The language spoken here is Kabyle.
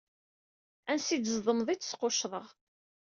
Ansa i d-tzedmeḍ i d-squccḍeɣ.